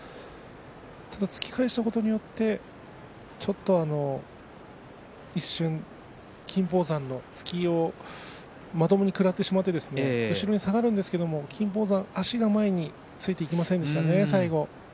ただ突き返したことによってちょっと一瞬金峰山の攻めをまともに食らってしまって後ろに下がるんですが金峰山、足が前についていきませんでしたね、最後。